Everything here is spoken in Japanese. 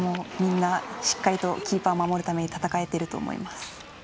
みんな、しっかりキーパーを守るために戦えていると思います。